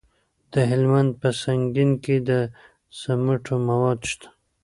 د هلمند په سنګین کې د سمنټو مواد شته.